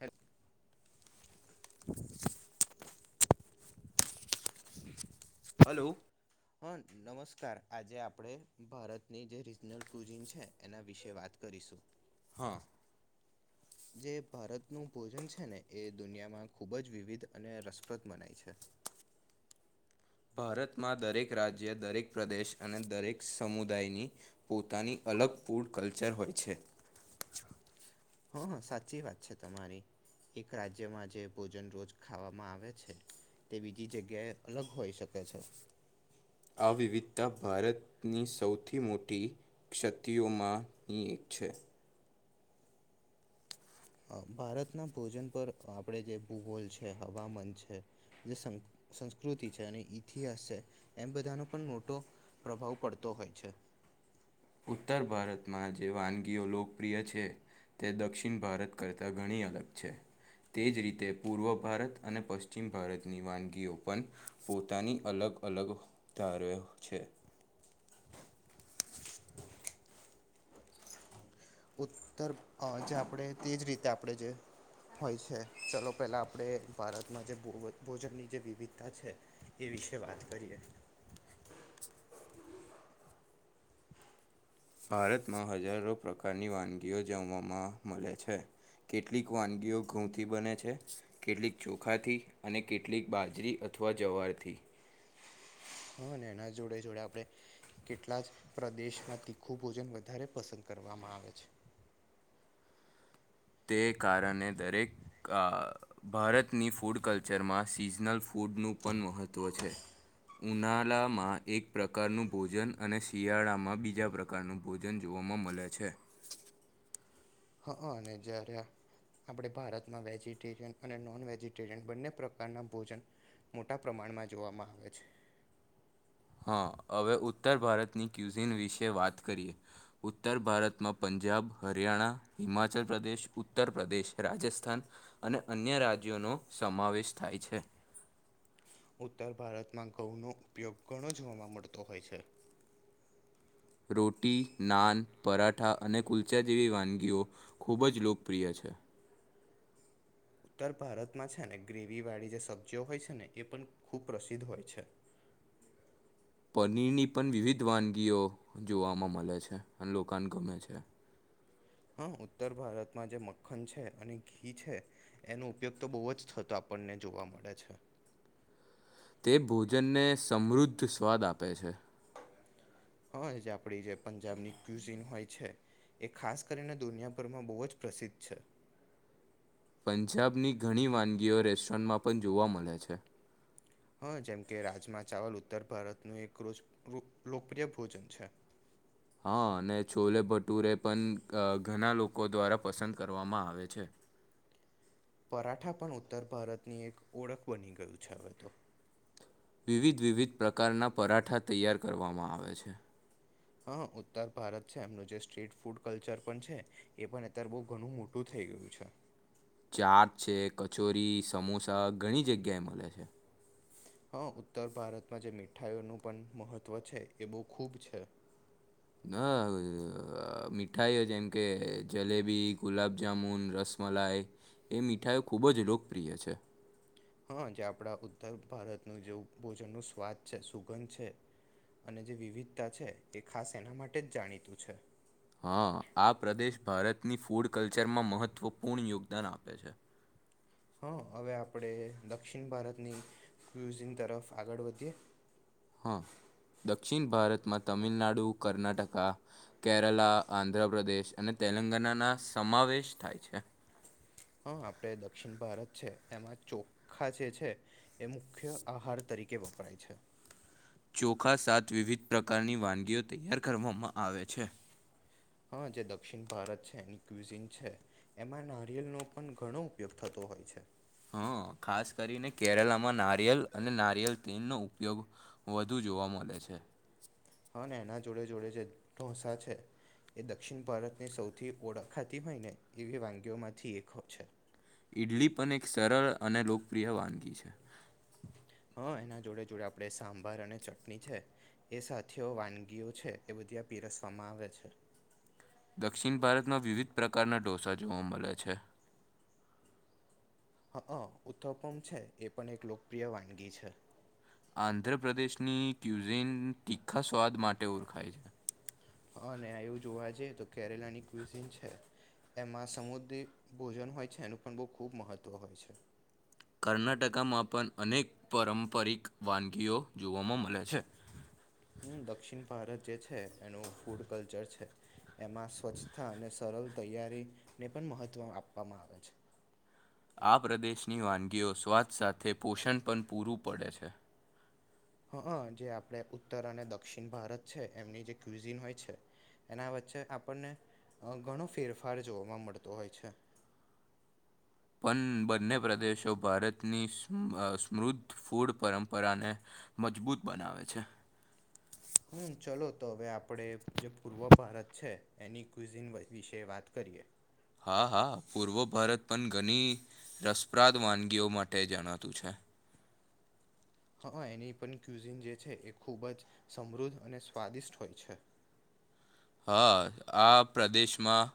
હે હલો હા નમસ્કાર આજે આપડે ભારતની જે રીજનલ કુઝિન છે એના વિશે વાત કરી શું હા જે ભારતનું ભોજન છે ને એ દુનિયામાં ખુબ જ વિવિધ અને રસપ્રદ મનાય છે [inaudible] ભારતમાં દરેક રાજ્ય દરેક પ્રદેશ અને દરેક સમુદાયની પોતાની અલગ ફૂડ કલ્ચર હોય છે હા હા સાચી વાત છે તમારી એક રાજ્યમાં જે ભોજન રોજ ખાવામાં આવે છે તે બીજી જગ્યા એ અલગ હોઈ શકે છે આ વિવિધતા ભારતની સૌથી મોટી ક્ષતિઓમાંની એક છે. ભારતના ભોજન પર આપણે જે ભૂગોલ છે. હવામાન છે જે સંક સંસ્કૃતિ છે અને ઇતિહાસ છે એમ બધાનો પણ મોટો પ્રભાવ પડતો હોય છે. ઉત્તર ભારતમાં જે વાનગીઓ લોકપ્રિય છે તે દક્ષિણ ભારત કરતા ઘણી અલગ છે. તે જ રીતે પૂર્વ ભારત અને પશ્ચિમ ભારતની વાનગીઓ પણ પોતાની અલગ અલગ અલગ ધારે્યો છે. ઉત્તર અ જે આપણે તેજ રીતે આપણે જે હોય છે. ચલો પેલા આપણે ભારતમાં જે ભોજન ની જે વિવિધતા છે એ વિશે વાત કરીએ. ભારતમાં હજારો પ્રકારની વાનગીઓ જમવામાં મળે છે. કેટલીક વાનગીઓ ઘઉંથી બને છે, કેટલીક ચોખાથી અને કેટલીક બાજરી અથવા જવારથી. હ એના જોડે જોડે આપણે, કેટલા જ પ્રદેશમાં તીખું ભોજન વધારે પસંદ કર કરવામાં આવે છે. તે કારણે દરેક ભારતની ફૂડ કલ્ચરમાં સિઝનલ ફૂડ ફૂડનું પણ મહત્ત્વ છે. ઉનાલા માં એક પ્રકારનું ભોજન અને શિયાળામાં બીજા પ્રકારનું ભોજન જો મલે છે. હા અને જ્યારે આપણે ભારતમાં વેજીટેરિયન અને નોન વેજિટેરિયન બંને પ્રકારના ભોજન. મોટા પ્રમાણમાં જોવામાં આવે છે. હા હવે ઉત્તર ભારતની ક્યુઝીન વિશે વાત કરીએ, ઉત્તર ભારતમાં પં જાબ, હરિયાણા, હિમાચલ પ્રદેશ, ઉત્તર પ્રદેશ, રાજસ્થાન, અને અન્ય રાજ્યો નો સમાવેશ થાય છે. [inaudible] ઉત્તર ભારતમાં ઘઉંનો ઉપયોગ ઘણો જોવામા મળતો હોય છે. રોટી, નાન, પરાઠા અને કુલચા જેવી વાનગીઓ ખૂબ જ લોકપ્રિય છે. ઉત્તર ભારતમાં છે ને ગ્રેવી વાળી જે સબ્જીઓ હોય છે ને એ પણ ખૂબ પ્રસિદ્ધ હોય છે. [inaudible] પનીરની પણ વિવિધ વાનગીઓ જોવામાં મલે છે, અને લોકા ને ગમે છે. હા ઉત્તર ભારતમાં જે મખખન છે અને ઘી છે, એનો ઉપયોગ તો બહુ જ થતો આપણને જોવા મળે છે. તે ભોજનને સમૃદ્ધ સ્વાદ આપે છે. હા એજ આપડી જે પંજાબની ક્યુઝીન હોય છે. એ ખાસ કરીને દુનિયાભરમાં બહુ જ પ્રસિદ્ધ છે. પંજાબની ઘણી વાનગીઓ રેસ્ટોરનમાં પણ જોવા મળે છે. હા જેમ કે રાજમા ચાવલ ઉત્તર ભારતનું એક લોકપ્રિય ભોજન છે. [inaudible] હા અને છોલે ભટુરે પણ ઘણા લોકો દ્વારા પસંદ કરવામાં આવે છે. [inaudible] પરાઠા પણ ઉત્તર ભારતની એક ઓળખ બની ગયું છે હવે તો. વિવિધ વિવિધ પ્રકારના પરાઠા તૈયાર કરવામાં આવે છે. હા ઉત્તર ભારત છે એમનું જે સ્ટ્રીટ ફૂડ કલ્ચર પણ છે, એ પણ અત્યારે બહ ઘણું મોટું થય ગયું છે. ચાટ છે કચોરી, સમોસા ઘણી જગ્યાએ મલે છે. હા ઉત્તર ભારતમાં જે મીઠાઈનું પણ મહત્વ છે એ બહુ ખૂબ છે. હા મીઠાઈઓ જેમ કે જલેબી ગુલાબજામુન રસ મલાઈ, એ મીઠાઈ ખૂબ જ લોકપ્રિય છે. હા જે આપણા ઉત્તર ભારતનું જેવ ભોજન નું સ્વાદ છે સુગંધ છે. અને જે વિવિધતા છે એ ખાસ એના માટે જ જાણીતું છે હા આ પ્રદેશ ભારતની ફૂડ કલ્ચરમાં મહત્વપૂર્ણ યોગદાન આપે છે. હા હવે આપણે દક્ષિણ ભારતની ક્યુઝન તરફ આગળ વધીએ. હા. દક્ષિણ ભારતમાં તમિલનાડુ કર્ણાટકા કેરલા, આંધ્રપ્રદેશ અને તેલંગાનાના સમાવેશ થાય છે. [inaudible] હા આપડે દક્ષિણ ભારત છે એમાં ચોખા જે છે, એ મુખ્ય આહાર તરીકે તરીકે વપરાય છે. ચોખા સાત વિવિધ પ્રકારની વાનગીઓ તૈયાર કરવામાં આવે છે. હા, જે દક્ષિણ ભારત છે એની કવિઝન છે એમાં નારિયેલનોો પણ ઘણો ઉપયોગ થતો હોય છે. હા, ખાસ કરીને કેરલામાં નારિયેલ અને નારિયેલ તેલનો ઉપયોગ વધુ જોવા મળે છે, હા, એના જોડે જોડે જે ઢોસા છે. એ દક્ષિણ ભારતની સૌથી ઓળખાતી હોય ને એવી વાનગીઓ માંથી એક છે. ઈડલી પણ એક સરળ અને લોકપ્રિય વાનગી છે. હા, એના જોડે જોડે આપડે સાંભાર અને ચટણી છે એ સાથીઓ વાનગીઓ છે, એ બધ ત સમાવ છેર દક્ષિણ ભારતમાં વિવિધ પ્રકારના ઢોસા જોવા મળે છે, હા, ઉથપમ છે એ પણ એક લોકપ્રિય વાનગી છે, આંધ્ર પ્રદેશની ક્યુઝેન તીખા સ્વાદ માટે ઓળખાય છે. અને આવું જોવા જઈએ, તો કેરેલાની ક્ઝન છે એમાં સમુદ ભોજન હોય છે એનું પણ બ ખુબ મહત્વ હોય છે, કર્ણાટકામાં પણ અનેક પારંપરિક વાનગીઓ જોવામાં મળે છે. [unintelligible] હમ દક્ષિણ ભારત જે છે એનું ફૂડ કલ્ચર છે એમાં સ્વચ્છતા અને સરળ તૈયારી ને પણ મહત્વ આપવામાં આવે છે, આ પ્રદેશની વાનગીઓ સ્વાદ સાથે પોષણ પણ પૂરું પડે છે, હ જે આપડ ઉત્તર અને દક્ષિણ ભારત છે એમની જે કિઝન હોય છે, એના વચ્ચે આપણને ઘણો ફેરફાર જોવાવામાં મળતો હોય છે, [unintelligible] પણ બંને પ્રદેશો ભારતની સ્મૃદ્ધ ફૂડ પરંપરાને મજબૂત બનાવે છે. હમ્મ ચલો તો હવે આપડે જે પૂર્વ ભારત છે, એની ક્વઝિન વિશે વાત કરીએ, હા હા પૂર્વ ભારત પણ ઘણી રસપ્રાદ વાનગીઓ માટે જણાતું છે, હા એની પણ ક્યુઝિન જે છે એ ખૂબ જ સમૃદ્ધ અને સ્વાદિષ્ટ હોય છે, [unintelligible] હા આ પ્રદેશમાં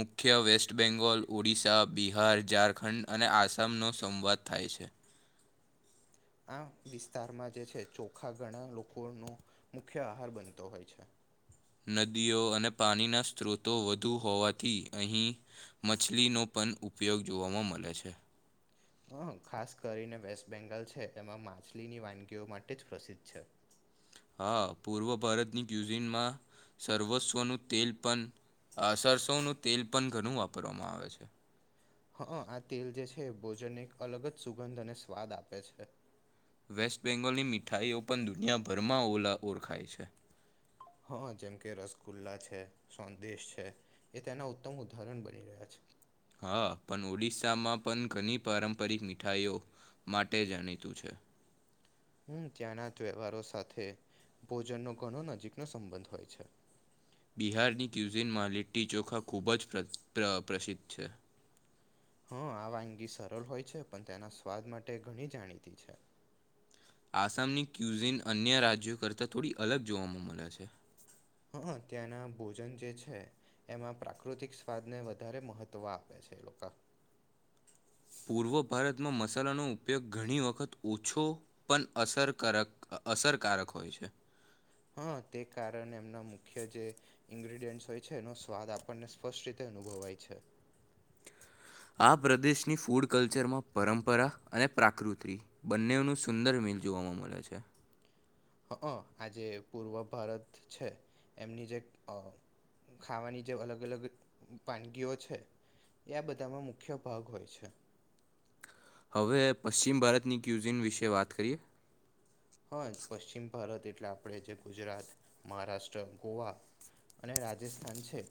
મુખ્ય વેસ્ટ બેંગોલ ઓડિશા બિહાર ઝારખંડ અને આસામનો સંવાદ થાય છે. છે. આ વિસ્તારમાં જે છે ચોખા ઘણા લોકોનોો મુખ્ય આહાર બનતો હોય છે, નદીઓ અને પાણીના સ્ત્રોતો વધુ હોવાથી અહીં મછલીનો પ ઉપયોગ જોવા મળે છે અ ખાસ કરીને વેસ્ટ બેંગાલ છે એમાં માછલીની વાનગીઓ માટે જ પ્રસિદ્ધ છે. હા પૂર્વ ભારતની ક્યુઝીનમાં સર્વસ્વનું તેલ પણ આ સરસોનું તેલ પણ ઘણું વાપરવામાં આવે છે, હા, આ તેલ જે છે ભોજનને એક અલગ જ સુગંધ અને સ્વાદ આપે છે, વેસ્ટ બેંગોલની મીઠાાઈઓ પણ દુનિયાભરમાં ઓ ઓળખાય છે, હા, જેમકે રસગુલ્લા છે સોદેશ છે એ તેના ઉત્તમ ઉદાહરણ બની રહ્યા છે. હા, પણ ઓડિસ્શસામાં પણ ઘણી પારંપરિક મીઠાઈઓ માટે જાણીતું છે. હમ્મ ત્યાંના તહેવારો સાથે ભોજનનો ઘણો નજીકનો સંબંધ હોય છે, બિહારની ક્યુઝીનમાં લિટ્ટી ચોખા ખૂબ જ પ્ર પ્રસિદ્ધ છે. હા, આ વાનગી સરળ હોય છે પણ તેના સ્વાદ માટે ઘણી જાણીતી છે. આસામની ક્યુઝીન અન્ય રાજ્યો કરતાં થોડી અલગ જોવામાં મળ્યા છે. હા, ત્યાંના ભોજન જે છે એમાં પ્રાકૃતિક સ્વાદ ને વધારે મહત્વ આપે છે. છેે લોકો પૂર્વ ભારતમાં મસાલાનો ઉપયોગ ઘણી વખત ઓછો પણ અસરકારક અસરકારક હોય છે હં ઇન્ગ્રીડિયન્ટ હોય છે એનો સ્વાદ આપણને સ્પષ્ટ રીતે અનુભવાય છે આ પ્રદેશની ફૂડ કલ્ચરમાં પરંપરા અને પ્રાકૃતિ બંનેનું સુંદર જોવા મળે છે હ આજે પૂર્વ ભારત છે એમની જે ખાવાની જે અલગ અલગ વાનગીઓ છે એ બધામાં મુખ્ય ભાગ હોય છે હવે પશ્ચિમ ભારતની ક્યુઝિન વિશે વાત કરીએ હા પશ્ચિમ ભારત એટલે આપણે જે ગુજરાત મહારાષ્ટ્ર ગોવા અને રાજસ્થાન છે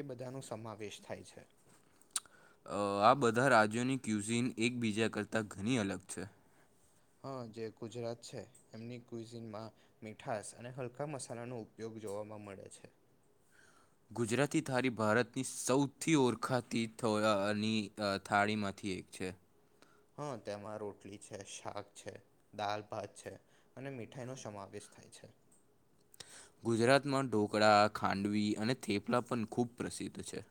એ બધાનો સમાવેશ થાય છે આ બધા રાજ્યોની ક્યુઝીન એકબીજા કરતાં ઘણી અલગ છે હ જે ગુજરાત છે એમની કયુઝીનમાં મીઠાસ અને હલકા મસાલા નો ઉપયોગ જોવાવામાં મળે છે ગુજરાતી થાળી ભારતની સૌથી ઓળખાતીની થાળીમાંથી એક છે હા તેમાં રોટલી છે શાક છે દાલ ભાત છે અને મીઠાઈ નો સમાવેશ થાય છે ગુજરાતમાં ઢોકળા ખાંડવી અને થેપલા પણ ખૂબ પ્રસિદ્ધ છે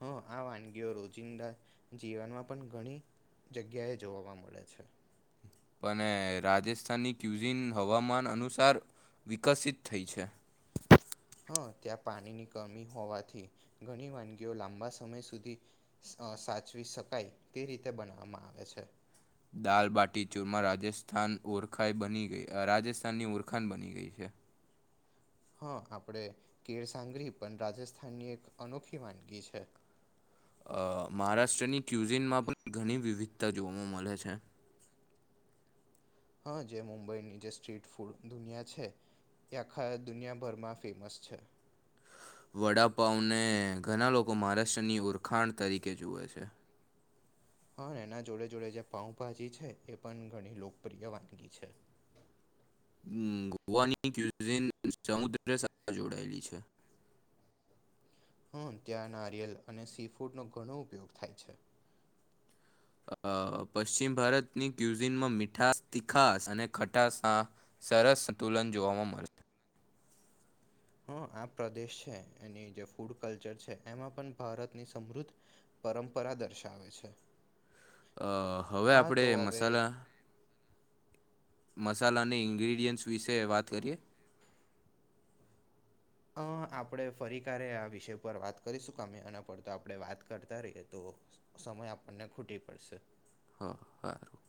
હ આ વાનગીઓ રોજિંદા જીવનમાં પણ ઘણી જગ્યાએ જોવા મળે છે પણ રાજસ્થાનની ક્યુઝિન હવામાન અનુસાર વિકસિત થઈ છે ત્યાં પાણીની કમી હોવાથી ઘણી વાનગીઓ લાંબા સમય સુધી સાચવી શકાય તે રીતે બનાવવામાં આવે છે દાલબાટીચુરમાં રાજસ્થાન ઓરખ રાજસ્થાનની ઓરખાન બની ગઈ છે હા આપણેે કેળસાંગરી પણ રાજસ્થાનની એક અનોખી વાનગી છે [inaudible] મહારાષ્ટ્રની ક્યુઝીનમાં પણ ઘણી વિવિધતા જોવા મળે છે [inaudible] હા જે મુંબઈની જે સ્ટ્રીટ ફૂડ દુનિયા છે એ આખા દુનિયાભરમાં ફેમસ છે વડાપાઉને ઘણા લોકો મહારાષ્ટ્રની ઉરખાણ તરીકે જુએ છે હ એના જોડે જોડે જે પાઉભાજી છે એ પણ ઘણી લોકપ્રિય વાનગી છે [inaudible] ગોવાની ક્યુઝિન સમુદ્ર સાથે જોડાયેલી છે હમ ત્યાં નારિયેલ અને સી ફૂડ નો ઘણો ઉપયોગ થાય છે પશ્ચિમ ભારતની ક્યુઝિનમાં મીઠાસ તીખાસ અને ખટાસ સરસ સંતુલન જોવા મળે છે હા આ પ્રદેશ છે એની જે ફૂડ કલ્ચર છે એમાં પણ ભારતની સમૃદ્ધ પરંપરા દર્શાવે છે અ હવે હા આપણે તો હવે મસાલા મસાલાની ઇન્ગ્રીડિયન્ટ્સ વિશે વાત કરીએ અ આપણે ફરી કારે આ વિષય પર વાત કરીશું કમે એના પર તો આપણે વાત કરતા રહીએ તો સમય આપણને ખૂટી પડશે હા હારું